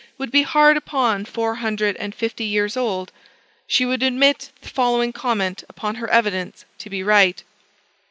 would be hard upon four hundred and fifty years old she would admit the following comment upon her evidence to be right.